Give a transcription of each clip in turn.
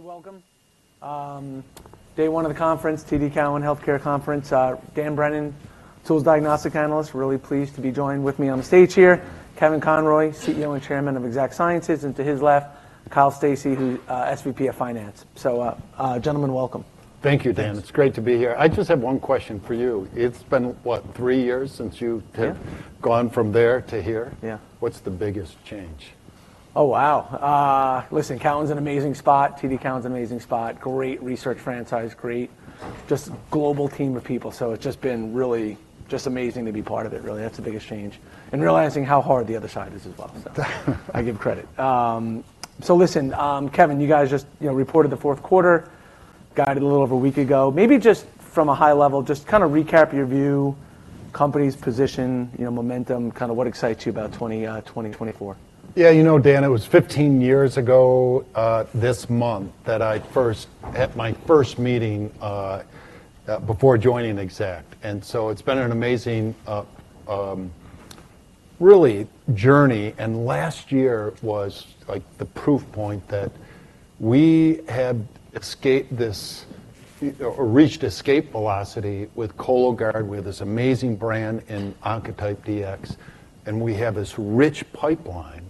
Great. Welcome. Day one of the conference, TD Cowen Healthcare Conference. Dan Brennan, life sciences and diagnostic tools analyst, really pleased to be joined with me on the stage here. Kevin Conroy, CEO and Chairman of Exact Sciences. And to his left, Kyle Stacey, SVP of Finance. So, gentlemen, welcome. Thank you, Dan. It's great to be here. I just have one question for you. It's been, what, three years since you've gone from there to here. What's the biggest change? Oh, wow. Listen, TD Cowen's an amazing spot. TD Cowen's an amazing spot. Great research franchise. Great. Just global team of people. So it's just been really just amazing to be part of it, really. That's the biggest change. And realizing how hard the other side is as well, so. I give credit. So listen, Kevin, you guys just, you know, reported the fourth quarter, got it a little over a week ago. Maybe just from a high level, just kinda recap your view, company's position, you know, momentum, kinda what excites you about 2024. Yeah, you know, Dan, it was 15 years ago, this month that I first had my first meeting, before joining Exact. And so it's been an amazing, really journey. And last year was, like, the proof point that we had escaped this you know, reached escape velocity with Cologuard, with this amazing brand in Oncotype DX. And we have this rich pipeline.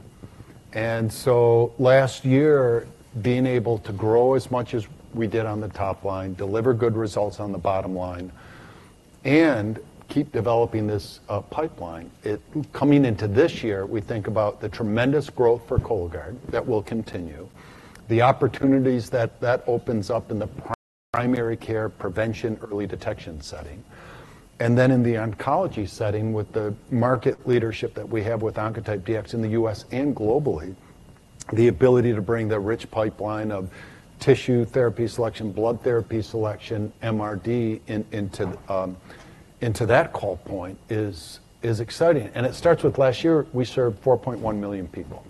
And so last year, being able to grow as much as we did on the top line, deliver good results on the bottom line, and keep developing this, pipeline. It's coming into this year, we think about the tremendous growth for Cologuard that will continue, the opportunities that that opens up in the primary care prevention, early detection setting. And then in the oncology setting, with the market leadership that we have with Oncotype DX in the U.S. and globally, the ability to bring that rich pipeline of tissue therapy selection, blood therapy selection, MRD into that call point is exciting. And it starts with last year, we served 4.1 million people.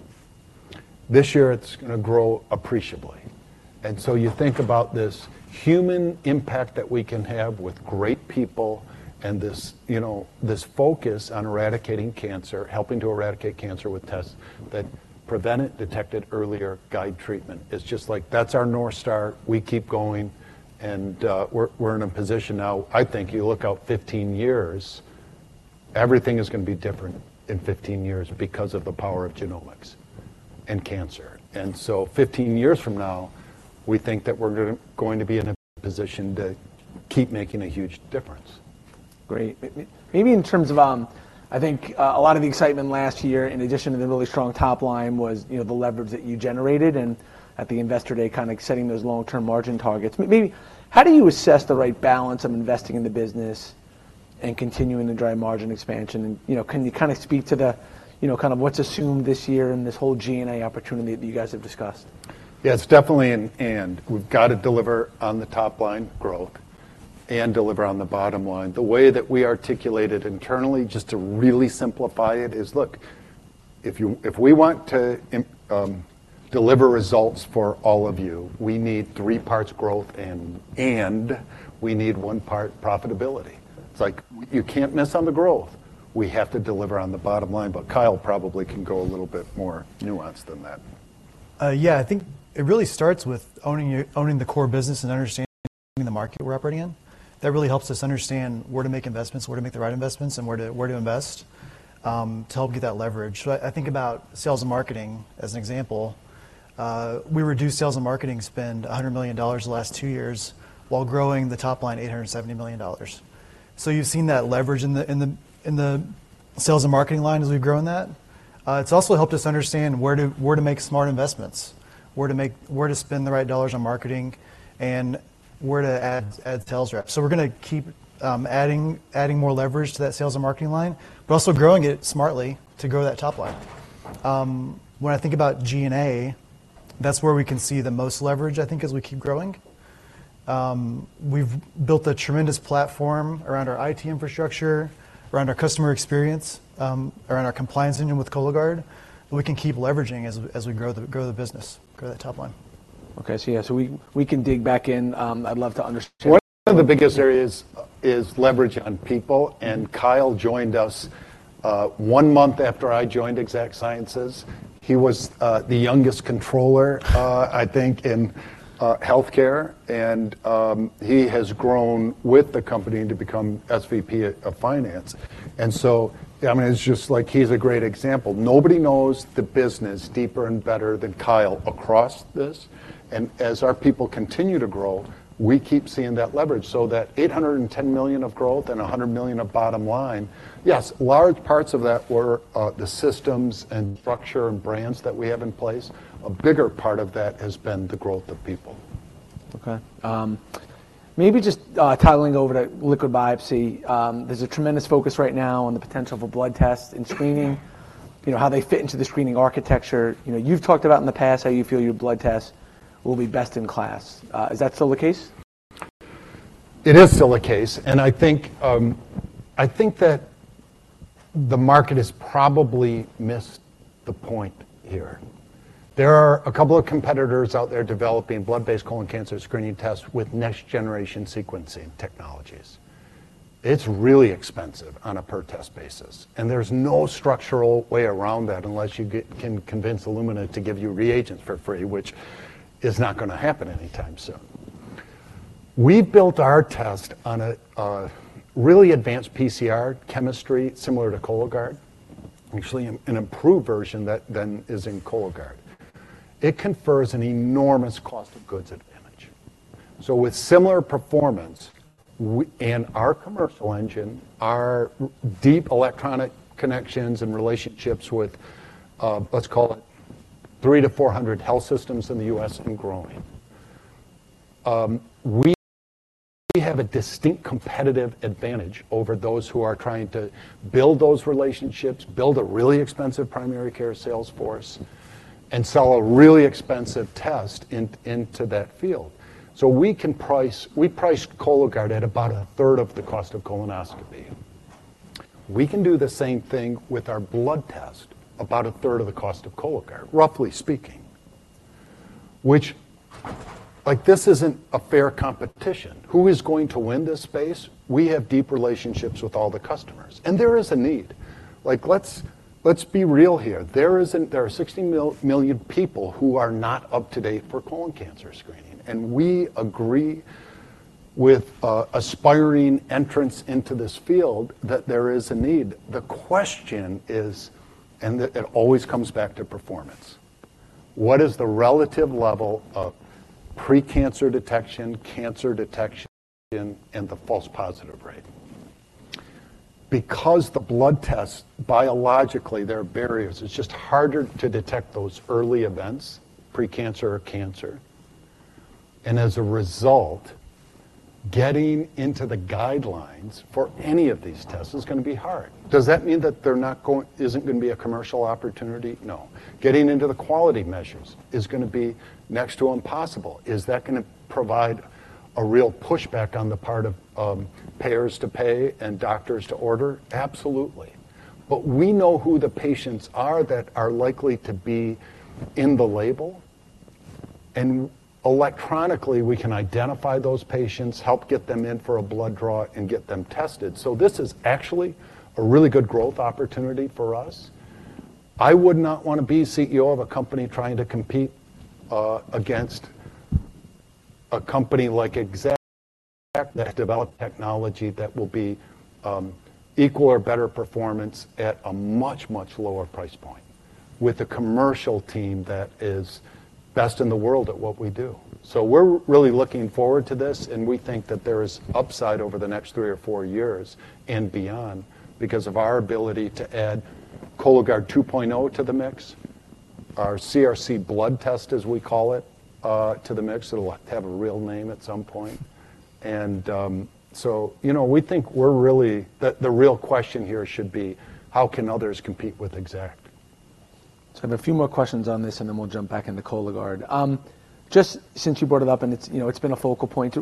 This year, it's gonna grow appreciably. And so you think about this human impact that we can have with great people and this, you know, this focus on eradicating cancer, helping to eradicate cancer with tests that prevent it, detect it earlier, guide treatment. It's just like, that's our north star. We keep going. And, we're in a position now, I think, you look out 15 years, everything is gonna be different in 15 years because of the power of genomics and cancer. And so 15 years from now, we think that we're gonna be in a position to keep making a huge difference. Great. Maybe in terms of, I think, a lot of the excitement last year, in addition to the really strong top line, was, you know, the leverage that you generated and at the Investor Day kinda setting those long-term margin targets. Maybe how do you assess the right balance of investing in the business and continuing to drive margin expansion? And, you know, can you kinda speak to the, you know, kind of what's assumed this year in this whole G&A opportunity that you guys have discussed? Yeah, it's definitely an and. We've gotta deliver on the top line growth and deliver on the bottom line. The way that we articulate it internally, just to really simplify it, is, "Look, if we want to deliver results for all of you, we need three parts growth and we need one part profitability." It's like, you can't miss on the growth. We have to deliver on the bottom line. But Kyle probably can go a little bit more nuanced than that. Yeah. I think it really starts with owning the core business and understanding the market we're operating in. That really helps us understand where to make investments, where to make the right investments, and where to invest to help get that leverage. So I think about sales and marketing as an example. We reduced sales and marketing spend $100 million the last two years while growing the top line $870 million. So you've seen that leverage in the sales and marketing line as we've grown that. It's also helped us understand where to make smart investments, where to spend the right dollars on marketing, and where to add sales reps. So we're gonna keep adding more leverage to that sales and marketing line, but also growing it smartly to grow that top line. When I think about G&A, that's where we can see the most leverage, I think, as we keep growing. We've built a tremendous platform around our IT infrastructure, around our customer experience, around our compliance engine with Cologuard. We can keep leveraging as we grow the business, grow that top line. Okay. So yeah, we can dig back in. I'd love to understand. One of the biggest areas is leverage on people. Kyle joined us one month after I joined Exact Sciences. He was the youngest controller, I think, in healthcare. He has grown with the company to become SVP of Finance. So, I mean, it's just like, he's a great example. Nobody knows the business deeper and better than Kyle across this. As our people continue to grow, we keep seeing that leverage. So that $810 million of growth and $100 million of bottom line, yes, large parts of that were the systems and structure and brands that we have in place. A bigger part of that has been the growth of people. Okay. Maybe just turning over to liquid biopsy. There's a tremendous focus right now on the potential for blood tests and screening, you know, how they fit into the screening architecture. You know, you've talked about in the past how you feel your blood tests will be best in class. Is that still the case? It is still the case. I think that the market has probably missed the point here. There are a couple of competitors out there developing blood-based colon cancer screening tests with next-generation sequencing technologies. It's really expensive on a per-test basis. And there's no structural way around that unless you can convince Illumina to give you reagents for free, which is not gonna happen anytime soon. We've built our test on a really advanced PCR chemistry, similar to Cologuard, actually an improved version that then is in Cologuard. It confers an enormous cost-of-goods advantage. So with similar performance, with our commercial engine, our deep electronic connections and relationships with, let's call it, 300-400 health systems in the U.S. and growing. We have a distinct competitive advantage over those who are trying to build those relationships, build a really expensive primary care sales force, and sell a really expensive test into that field. So we can price, we price Cologuard at about a third of the cost of colonoscopy. We can do the same thing with our blood test, about a third of the cost of Cologuard, roughly speaking, which, like, this isn't a fair competition. Who is going to win this space? We have deep relationships with all the customers. And there is a need. Like, let's be real here. There are 60 million people who are not up to date for colon cancer screening. And we agree with aspiring entrants into this field that there is a need. The question is and it always comes back to performance. What is the relative level of precancer detection, cancer detection, and the false positive rate? Because the blood tests, biologically, there are barriers. It's just harder to detect those early events, precancer or cancer. And as a result, getting into the guidelines for any of these tests is gonna be hard. Does that mean that they're not gonna be a commercial opportunity? No. Getting into the quality measures is gonna be next to impossible. Is that gonna provide a real pushback on the part of payers to pay and doctors to order? Absolutely. But we know who the patients are that are likely to be in the label. And electronically, we can identify those patients, help get them in for a blood draw, and get them tested. So this is actually a really good growth opportunity for us. I would not wanna be CEO of a company trying to compete against a company like Exact that developed technology that will be equal or better performance at a much, much lower price point with a commercial team that is best in the world at what we do. So we're really looking forward to this. And we think that there is upside over the next three or four years and beyond because of our ability to add Cologuard 2.0 to the mix, our CRC blood test, as we call it, to the mix. It'll have a real name at some point. And, so, you know, we think we're really the real question here should be, how can others compete with Exact? So I have a few more questions on this, and then we'll jump back into Cologuard. Just since you brought it up, and it's, you know, it's been a focal point,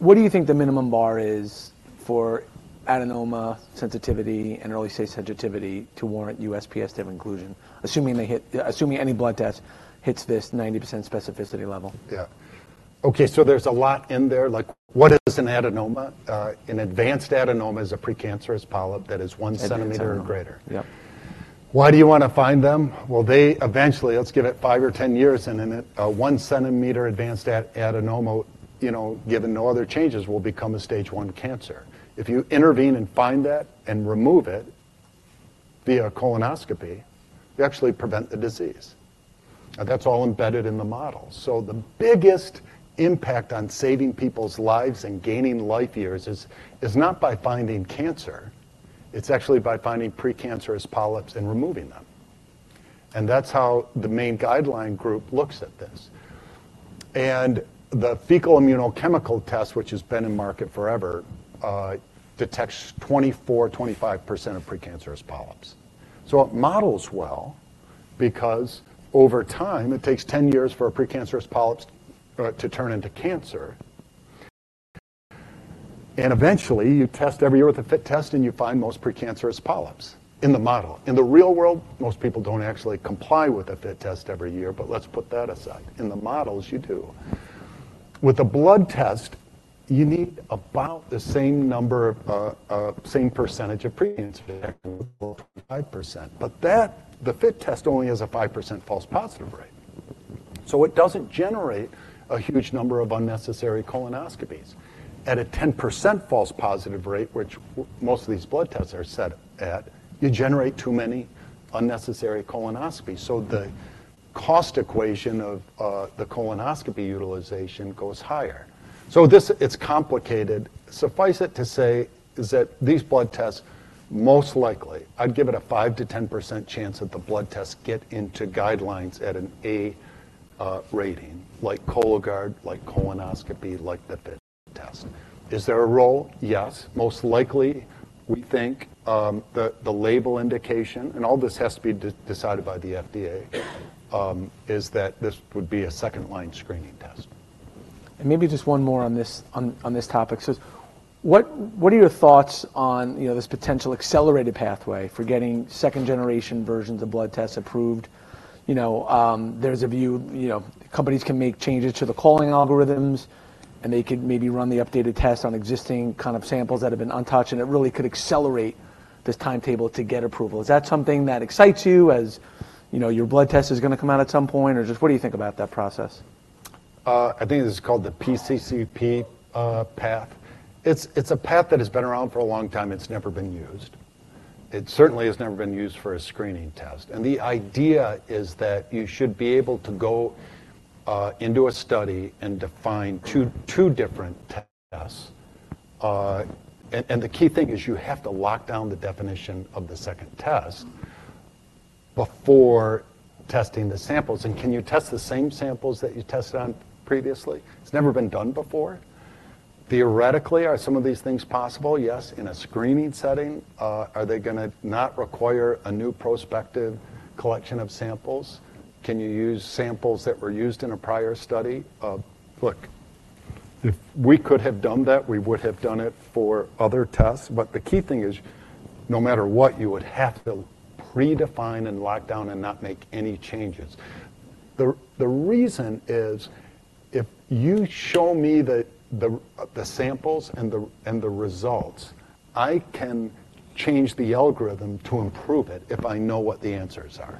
what do you think the minimum bar is for adenoma sensitivity and early stage sensitivity to warrant USPSTF-type inclusion, assuming any blood test hits this 90% specificity level? Yeah. Okay. So there's a lot in there. Like, what is an adenoma? An advanced adenoma is a precancerous polyp that is 1 centimeter or greater. Cancer or surgery. Yep. Why do you wanna find them? Well, they eventually let's give it 5 or 10 years. And then a 1-cm advanced adenoma, you know, given no other changes, will become a stage I cancer. If you intervene and find that and remove it via colonoscopy, you actually prevent the disease. Now, that's all embedded in the model. So the biggest impact on saving people's lives and gaining life years is, is not by finding cancer. It's actually by finding precancerous polyps and removing them. And that's how the main guideline group looks at this. And the fecal immunochemical test, which has been in market forever, detects 24%-25% of precancerous polyps. So it models well because over time, it takes 10 years for precancerous polyps to turn into cancer. And eventually, you test every year with a FIT test, and you find most precancerous polyps in the model. In the real world, most people don't actually comply with a FIT test every year, but let's put that aside. In the models, you do. With a blood test, you need about the same number of, same percentage of precancerous polyps, 5%. But that the FIT test only has a 5% false positive rate. So it doesn't generate a huge number of unnecessary colonoscopies. At a 10% false positive rate, which most of these blood tests are set at, you generate too many unnecessary colonoscopies. So the cost equation of, the colonoscopy utilization goes higher. So this it's complicated. Suffice it to say is that these blood tests, most likely I'd give it a 5%-10% chance that the blood tests get into guidelines at an A rating, like Cologuard, like colonoscopy, like the FIT test. Is there a role? Yes. Most likely, we think, the label indication and all this has to be decided by the FDA, is that this would be a second-line screening test. And maybe just one more on this topic. So what are your thoughts on, you know, this potential accelerated pathway for getting second-generation versions of blood tests approved? You know, there's a view, you know, companies can make changes to the calling algorithms, and they could maybe run the updated tests on existing kind of samples that have been untouched. And it really could accelerate this timetable to get approval. Is that something that excites you as, you know, your blood test is gonna come out at some point? Or just what do you think about that process? I think it's called the PCCP path. It's a path that has been around for a long time. It's never been used. It certainly has never been used for a screening test. And the idea is that you should be able to go into a study and define two different tests. And the key thing is you have to lock down the definition of the second test before testing the samples. And can you test the same samples that you tested on previously? It's never been done before. Theoretically, are some of these things possible? Yes. In a screening setting, are they gonna not require a new prospective collection of samples? Can you use samples that were used in a prior study? Look, if we could have done that, we would have done it for other tests. But the key thing is, no matter what, you would have to predefine and lock down and not make any changes. The reason is if you show me the samples and the results, I can change the algorithm to improve it if I know what the answers are.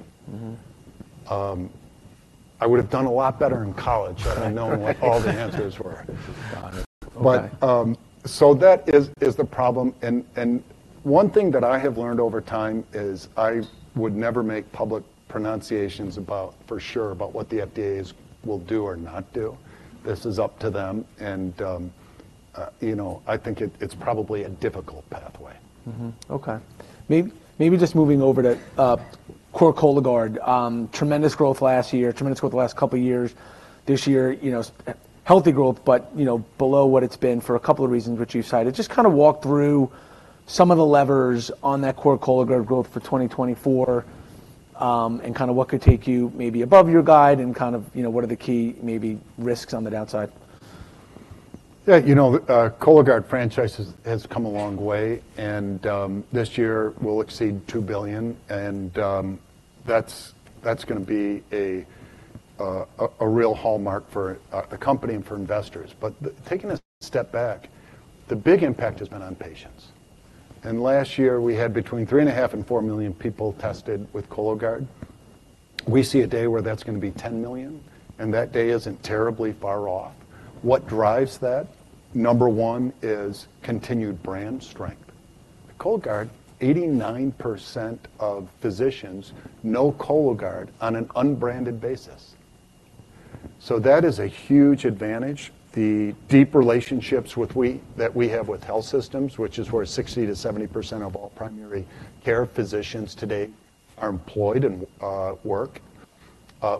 I would have done a lot better in college that I know what all the answers were. Got it. Okay. But that is the problem. And one thing that I have learned over time is I would never make public pronouncements about for sure about what the FDA will do or not do. This is up to them. And, you know, I think it's probably a difficult pathway. Okay. Maybe, maybe just moving over to core Cologuard. Tremendous growth last year, tremendous growth the last couple of years. This year, you know, healthy growth, but, you know, below what it's been for a couple of reasons which you've cited. Just kinda walk through some of the levers on that core Cologuard growth for 2024, and kinda what could take you maybe above your guide and kind of, you know, what are the key maybe risks on the downside? Yeah. You know, the Cologuard franchise has come a long way. This year, we'll exceed $2 billion. And that's gonna be a real hallmark for the company and for investors. But taking a step back, the big impact has been on patients. Last year, we had between 3.5 and 4 million people tested with Cologuard. We see a day where that's gonna be 10 million. And that day isn't terribly far off. What drives that? Number one is continued brand strength. Cologuard, 89% of physicians know Cologuard on an unbranded basis. So that is a huge advantage. The deep relationships that we have with health systems, which is where 60%-70% of all primary care physicians today are employed and work.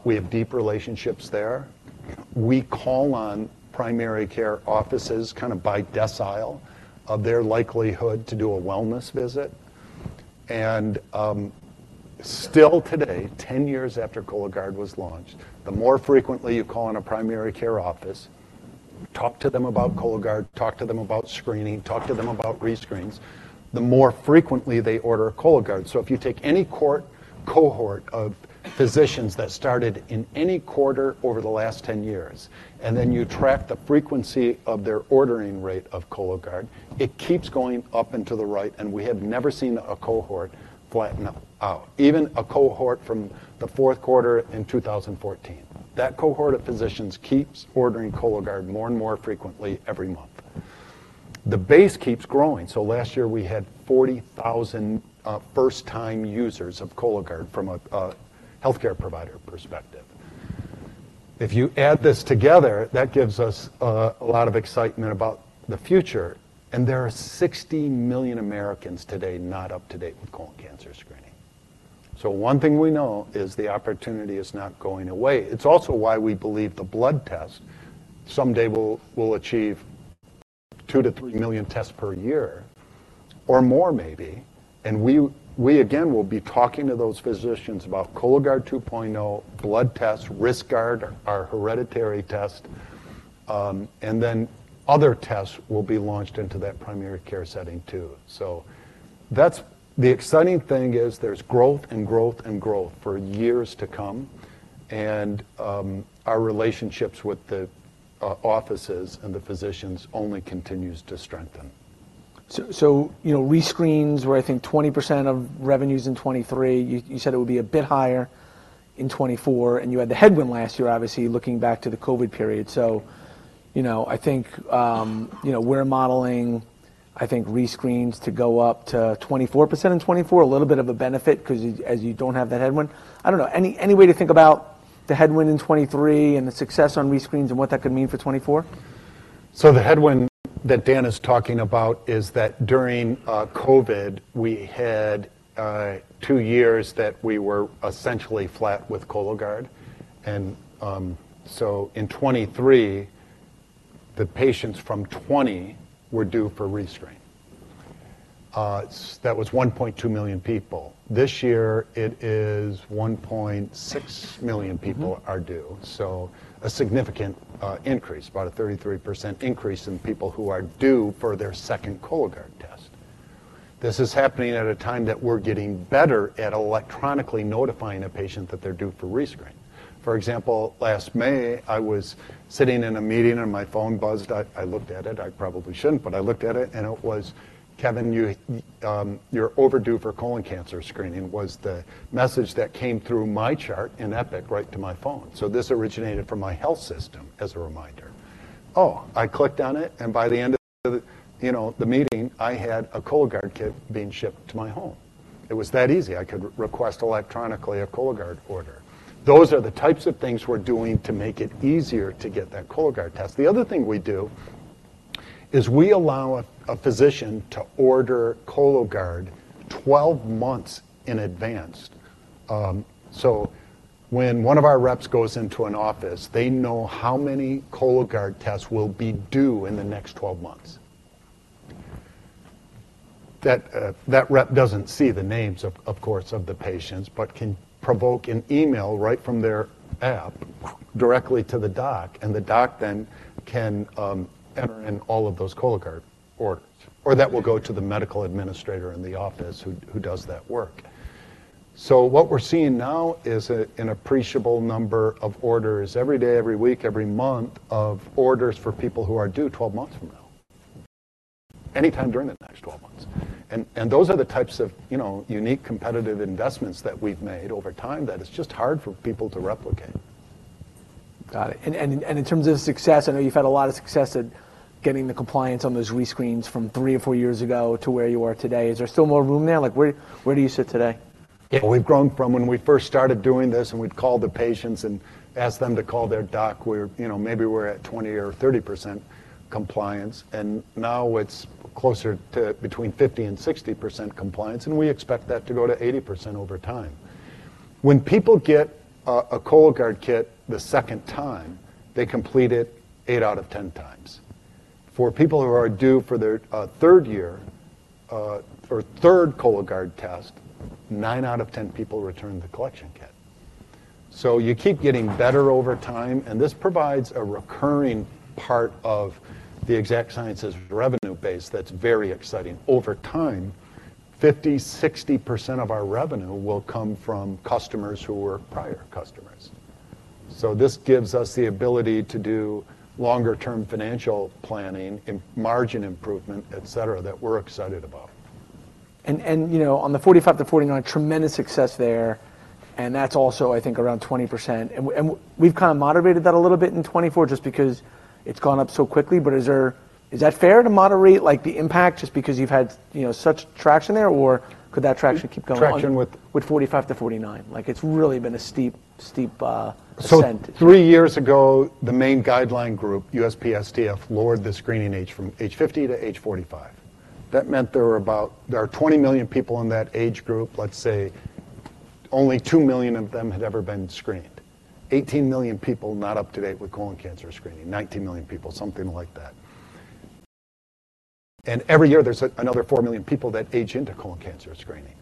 We have deep relationships there. We call on primary care offices kinda by decile of their likelihood to do a wellness visit. And, still today, 10 years after Cologuard was launched, the more frequently you call on a primary care office, talk to them about Cologuard, talk to them about screening, talk to them about rescreens, the more frequently they order Cologuard. So if you take any cohort of physicians that started in any quarter over the last 10 years, and then you track the frequency of their ordering rate of Cologuard, it keeps going up and to the right. And we have never seen a cohort flatten out, even a cohort from the fourth quarter in 2014. That cohort of physicians keeps ordering Cologuard more and more frequently every month. The base keeps growing. So last year, we had 40,000 first-time users of Cologuard from a healthcare provider perspective. If you add this together, that gives us a lot of excitement about the future. And there are 60 million Americans today not up to date with colon cancer screening. So one thing we know is the opportunity is not going away. It's also why we believe the blood test someday will achieve 2-3 million tests per year or more, maybe. And we again will be talking to those physicians about Cologuard 2.0, blood tests, RiskGuard, our hereditary test, and then other tests will be launched into that primary care setting too. So that's the exciting thing is there's growth and growth and growth for years to come. And our relationships with the offices and the physicians only continue to strengthen. So, you know, rescreens were, I think, 20% of revenues in 2023. You said it would be a bit higher in 2024. And you had the headwind last year, obviously, looking back to the COVID period. So, you know, I think, you know, we're modeling, I think, rescreens to go up to 24% in 2024, a little bit of a benefit 'cause as you don't have that headwind. I don't know. Any way to think about the headwind in 2023 and the success on rescreens and what that could mean for 2024? So the headwind that Dan is talking about is that during COVID, we had two years that we were essentially flat with Cologuard. And so in 2023, the patients from 2020 were due for rescreen. That was 1.2 million people. This year, it is 1.6 million people are due, so a significant increase, about a 33% increase in people who are due for their second Cologuard test. This is happening at a time that we're getting better at electronically notifying a patient that they're due for rescreen. For example, last May, I was sitting in a meeting, and my phone buzzed. I, I looked at it. I probably shouldn't, but I looked at it. And it was, "Kevin, you, you're overdue for colon cancer screening," was the message that came through my chart in Epic right to my phone. So this originated from my health system as a reminder. Oh, I clicked on it. By the end of the, you know, the meeting, I had a Cologuard kit being shipped to my home. It was that easy. I could request electronically a Cologuard order. Those are the types of things we're doing to make it easier to get that Cologuard test. The other thing we do is we allow a physician to order Cologuard 12 months in advance. So when one of our reps goes into an office, they know how many Cologuard tests will be due in the next 12 months. That rep doesn't see the names, of course, of the patients but can provoke an email right from their app directly to the doc. And the doc then can enter in all of those Cologuard orders. Or that will go to the medical administrator in the office who does that work. So what we're seeing now is an appreciable number of orders every day, every week, every month of orders for people who are due 12 months from now, anytime during the next 12 months. And those are the types of, you know, unique competitive investments that we've made over time that it's just hard for people to replicate. Got it. And in terms of success, I know you've had a lot of success at getting the compliance on those rescreens from three or four years ago to where you are today. Is there still more room there? Like, where do you sit today? Yeah. Well, we've grown from when we first started doing this, and we'd call the patients and ask them to call their doc, we're you know, maybe we're at 20% or 30% compliance. And now, it's closer to between 50%-60% compliance. And we expect that to go to 80% over time. When people get, a Cologuard kit the second time, they complete it 8/10 times. For people who are due for their, third year, or third Cologuard test, 9/10 people return the collection kit. So you keep getting better over time. And this provides a recurring part of the Exact Sciences revenue base that's very exciting. Over time, 50%-60% of our revenue will come from customers who were prior customers. So this gives us the ability to do longer-term financial planning, margin improvement, etc., that we're excited about. You know, on the 45-49, tremendous success there. And that's also, I think, around 20%. And we've kinda moderated that a little bit in 2024 just because it's gone up so quickly. But is that fair to moderate, like, the impact just because you've had, you know, such traction there? Or could that traction keep going on? Traction with. With 45-49? Like, it's really been a steep, steep, percentage. Three years ago, the main guideline group, USPSTF, lowered the screening age from age 50 to age 45. That meant there are about 20 million people in that age group. Let's say only 2 million of them had ever been screened, 18 million people not up to date with colon cancer screening, 19 million people, something like that. Every year, there's another 4 million people that age into colon cancer screening.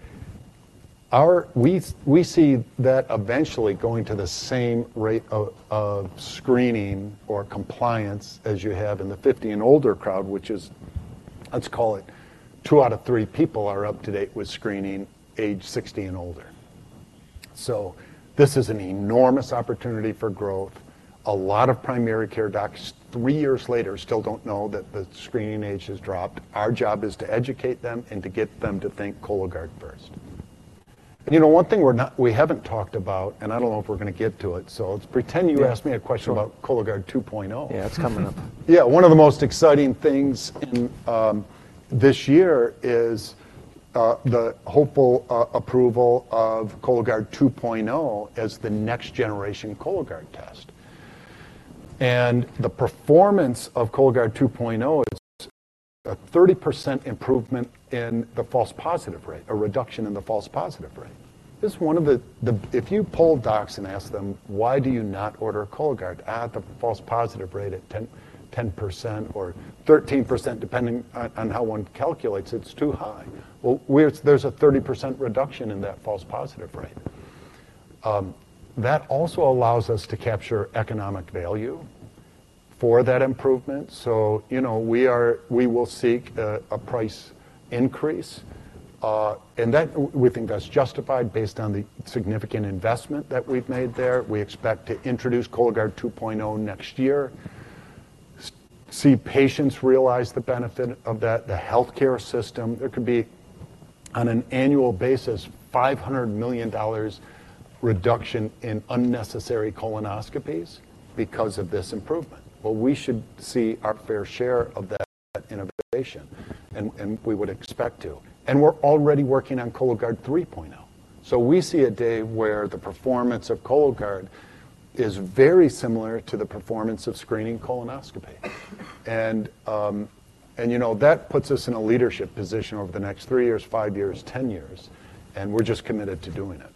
We see that eventually going to the same rate of screening or compliance as you have in the 50 and older crowd, which is let's call it 2 out of 3 people are up to date with screening, age 60 and older. This is an enormous opportunity for growth. A lot of primary care docs, three years later, still don't know that the screening age has dropped. Our job is to educate them and to get them to think Cologuard first. And, you know, one thing we haven't talked about, and I don't know if we're gonna get to it. So let's pretend you asked me a question about Cologuard 2.0. Yeah. It's coming up. Yeah. One of the most exciting things this year is the hopeful approval of Cologuard 2.0 as the next-generation Cologuard test. And the performance of Cologuard 2.0 is a 30% improvement in the false positive rate, a reduction in the false positive rate. This is one of the if you poll docs and ask them, "Why do you not order Cologuard?" the false positive rate at 10% or 13%, depending on how one calculates, it's too high. Well, there’s a 30% reduction in that false positive rate. That also allows us to capture economic value for that improvement. So, you know, we will seek a price increase, and we think that's justified based on the significant investment that we've made there. We expect to introduce Cologuard 2.0 next year, see patients realize the benefit of that, the healthcare system. There could be, on an annual basis, $500 million reduction in unnecessary colonoscopies because of this improvement. Well, we should see our fair share of that innovation. And, and we would expect to. And we're already working on Cologuard 3.0. So we see a day where the performance of Cologuard is very similar to the performance of screening colonoscopy. And, and, you know, that puts us in a leadership position over the next three years, five years, 10 years. And we're just committed to doing it.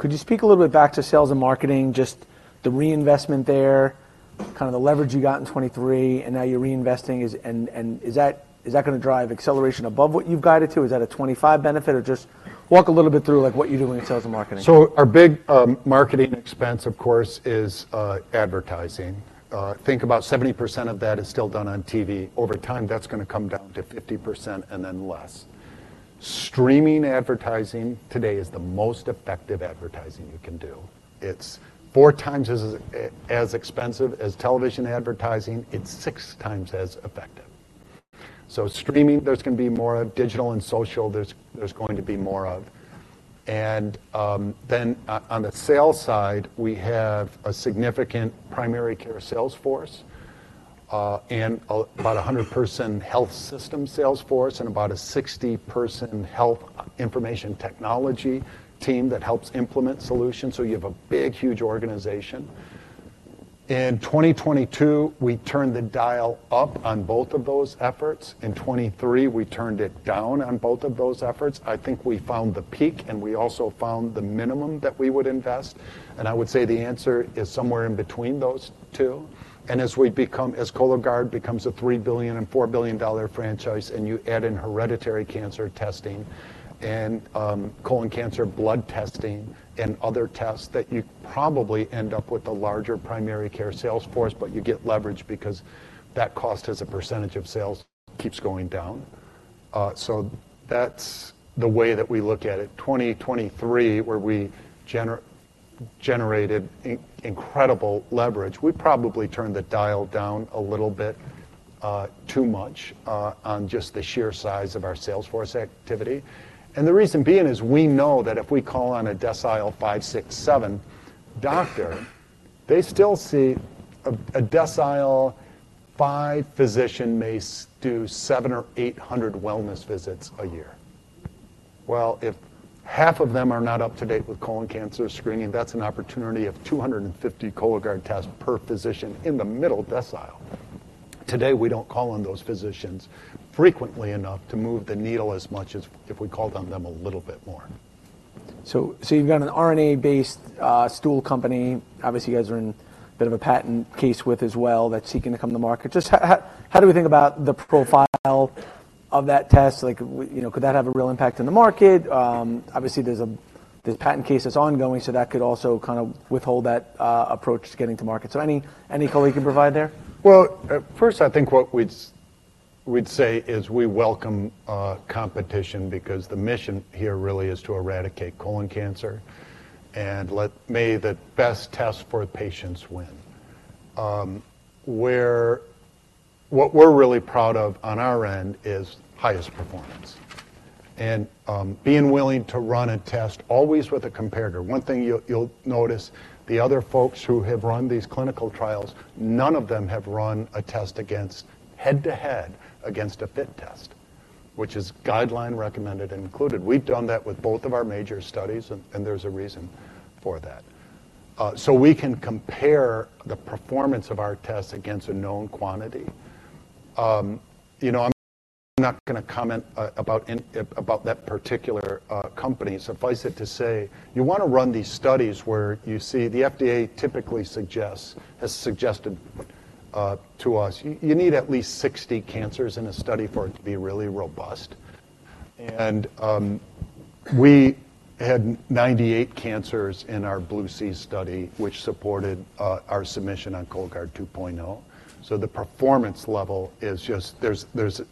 Could you speak a little bit back to sales and marketing, just the reinvestment there, kinda the leverage you got in 2023, and now you're reinvesting, and is that gonna drive acceleration above what you've guided to? Is that a 25 benefit or just walk a little bit through, like, what you're doing in sales and marketing? So our big marketing expense, of course, is advertising. Think about 70% of that is still done on TV. Over time, that's gonna come down to 50% and then less. Streaming advertising today is the most effective advertising you can do. It's four times as expensive as television advertising. It's six times as effective. So streaming, there's gonna be more of. Digital and social, there's going to be more of. And then on the sales side, we have a significant primary care sales force, and about a 100-person health system sales force and about a 60-person health information technology team that helps implement solutions. So you have a big, huge organization. In 2022, we turned the dial up on both of those efforts. In 2023, we turned it down on both of those efforts. I think we found the peak, and we also found the minimum that we would invest. And I would say the answer is somewhere in between those two. And as Cologuard becomes a $3 billion-$4 billion franchise, and you add in hereditary cancer testing and colon cancer blood testing and other tests, that you probably end up with a larger primary care sales force, but you get leverage because that cost as a percentage of sales keeps going down. So that's the way that we look at it. 2023, where we generated incredible leverage, we probably turned the dial down a little bit, too much, on just the sheer size of our sales force activity. The reason being is we know that if we call on a decile 5, 6, 7 doctor, they still see a decile 5 physician may do seven or 800 wellness visits a year. Well, if half of them are not up to date with colon cancer screening, that's an opportunity of 250 Cologuard tests per physician in the middle decile. Today, we don't call on those physicians frequently enough to move the needle as much as if we called on them a little bit more. So you've got an RNA-based stool company. Obviously, you guys are in a bit of a patent case with as well that's seeking to come to market. Just how do we think about the profile of that test? Like, you know, could that have a real impact in the market? Obviously, there's a patent case that's ongoing. So that could also kinda withhold that approach to getting to market. So any call you can provide there? Well, first, I think what we'd say is we welcome competition because the mission here really is to eradicate colon cancer and let the best test for patients win. What we're really proud of on our end is highest performance and being willing to run a test always with a comparator. One thing you'll notice, the other folks who have run these clinical trials, none of them have run a test head-to-head against a FIT test, which is guideline-recommended and included. We've done that with both of our major studies. And there's a reason for that. So we can compare the performance of our tests against a known quantity. You know, I'm not gonna comment about that particular company. Suffice it to say, you wanna run these studies where you see the FDA typically has suggested to us you need at least 60 cancers in a study for it to be really robust. And we had 98 cancers in our BLUE-C study, which supported our submission on Cologuard 2.0. So the performance level is just there is,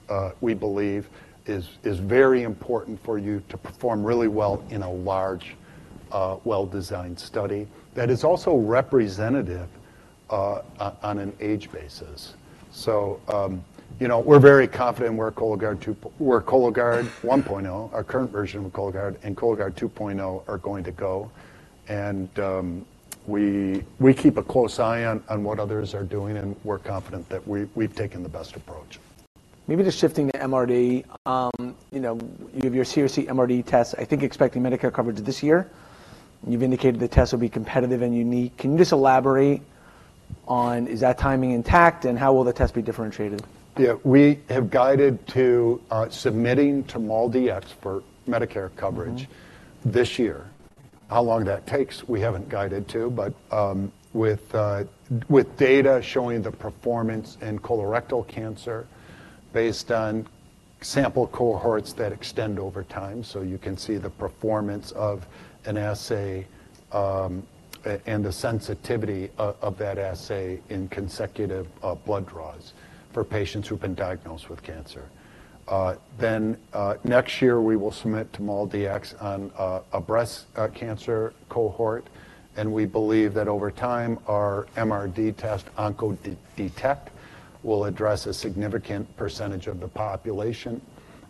we believe, is very important for you to perform really well in a large, well-designed study that is also representative on an age basis. So you know we're very confident where Cologuard 2 we're Cologuard 1.0, our current version of Cologuard, and Cologuard 2.0 are going to go. And we keep a close eye on what others are doing. And we're confident that we we've taken the best approach. Maybe just shifting to MRD. You know, you have your CRC MRD tests, I think, expecting Medicare coverage this year. You've indicated the tests will be competitive and unique. Can you just elaborate on is that timing intact, and how will the test be differentiated? Yeah. We have guided to submitting to MolDX for Medicare coverage this year. How long that takes, we haven't guided to. But with data showing the performance in colorectal cancer based on sample cohorts that extend over time, so you can see the performance of an assay, and the sensitivity of that assay in consecutive blood draws for patients who've been diagnosed with cancer. Then, next year, we will submit to MolDX on a breast cancer cohort. And we believe that over time, our MRD test OncoDetect will address a significant percentage of the population.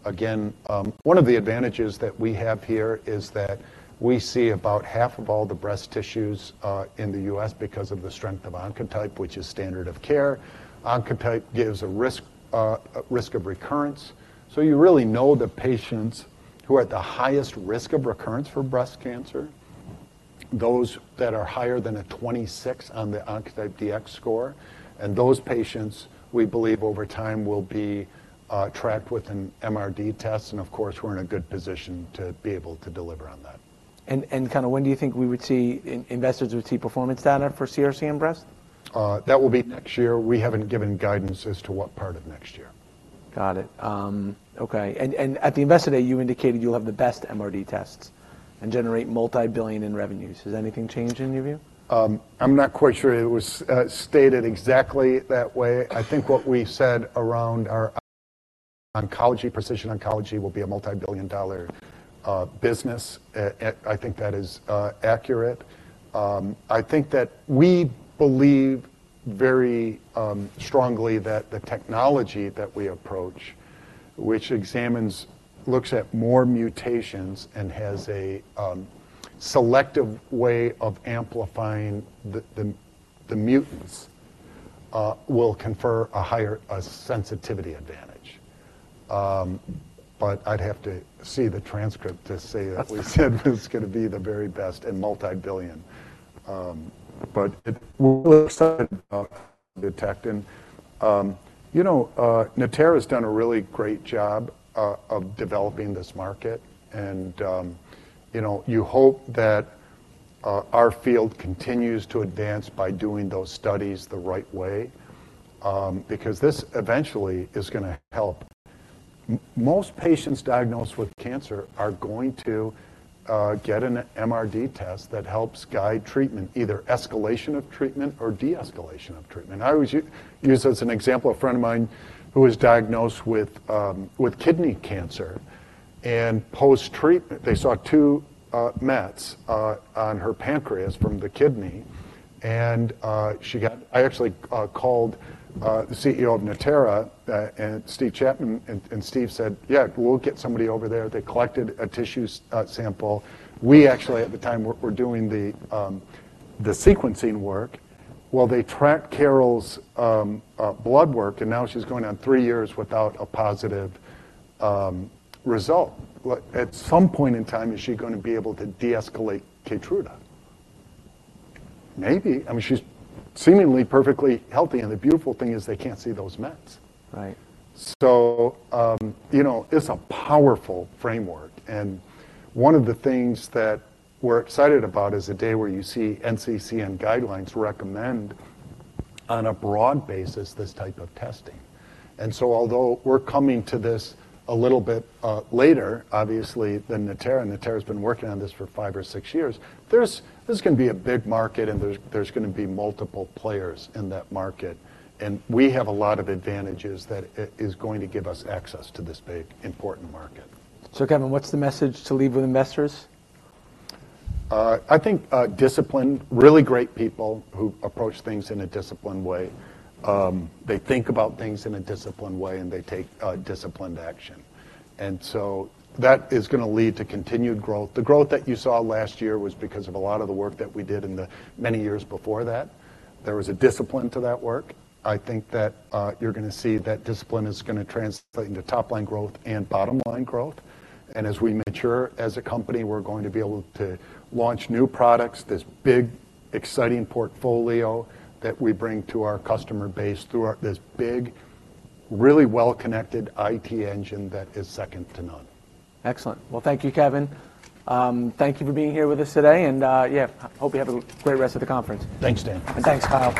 Again, one of the advantages that we have here is that we see about half of all the breast tissues in the U.S. because of the strength of Oncotype, which is standard of care. Oncotype gives a risk of recurrence. So you really know the patients who are at the highest risk of recurrence for breast cancer, those that are higher than a 26 on the Oncotype DX score. And those patients, we believe, over time will be tracked with an MRD test. And, of course, we're in a good position to be able to deliver on that. Kinda, when do you think investors would see performance data for CRC and breast? that will be next year. We haven't given guidance as to what part of next year. Got it. Okay. And at the investor day, you indicated you'll have the best MRD tests and generate multibillion in revenues. Has anything changed in your view? I'm not quite sure it was stated exactly that way. I think what we said around our oncology, precision oncology, will be a multibillion-dollar business. And I think that is accurate. I think that we believe very strongly that the technology that we approach, which examines looks at more mutations and has a selective way of amplifying the mutants, will confer a higher sensitivity advantage. But I'd have to see the transcript to say that we said it was gonna be the very best and multibillion. But it looks at OncoDetect. And, you know, Natera's done a really great job of developing this market. And, you know, you hope that our field continues to advance by doing those studies the right way, because this eventually is gonna help. Most patients diagnosed with cancer are going to get an MRD test that helps guide treatment, either escalation of treatment or de-escalation of treatment. I always use as an example a friend of mine who was diagnosed with kidney cancer and post-treatment, they saw two mets on her pancreas from the kidney. And she got. I actually called the CEO of Natera, and Steve Chapman, and Steve said, "Yeah. We'll get somebody over there." They collected a tissue sample. We actually, at the time, we're doing the sequencing work. Well, they tracked Carol's blood work, and now she's going on three years without a positive result. Well, at some point in time, is she gonna be able to de-escalate Keytruda? Maybe. I mean, she's seemingly perfectly healthy. And the beautiful thing is they can't see those mets. Right. So, you know, it's a powerful framework. And one of the things that we're excited about is a day where you see NCCN guidelines recommend, on a broad basis, this type of testing. And so although we're coming to this a little bit later, obviously, than Natera, and Natera's been working on this for five or six years, this is gonna be a big market, and there's gonna be multiple players in that market. And we have a lot of advantages that it is going to give us access to this big, important market. Kevin, what's the message to leave with investors? I think, discipline, really great people who approach things in a disciplined way. They think about things in a disciplined way, and they take disciplined action. And so that is gonna lead to continued growth. The growth that you saw last year was because of a lot of the work that we did in the many years before that. There was a discipline to that work. I think that you're gonna see that discipline is gonna translate into top-line growth and bottom-line growth. And as we mature as a company, we're going to be able to launch new products, this big, exciting portfolio that we bring to our customer base through our this big, really well-connected IT engine that is second to none. Excellent. Well, thank you, Kevin. Thank you for being here with us today. And, yeah, hope you have a great rest of the conference. Thanks, Dan. Thanks, Kyle.